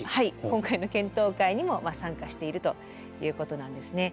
今回の検討会にも参加しているということなんですね。